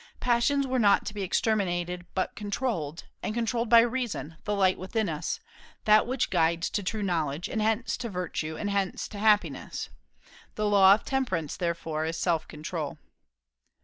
Passions were not to be exterminated but controlled; and controlled by reason, the light within us, that which guides to true knowledge, and hence to virtue, and hence to happiness. The law of temperance, therefore, is self control.